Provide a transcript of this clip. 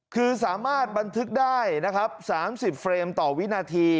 คือสามารถบันทึกได้นะครับ๓๐เฟรมต่อวินาที